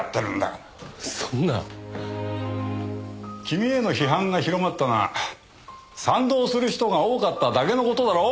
君への批判が広まったのは賛同する人が多かっただけの事だろう。